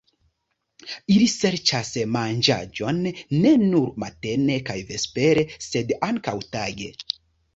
Ili serĉas manĝaĵon ne nur matene kaj vespere, sed ankaŭ tage.